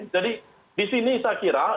jadi di sini saya kira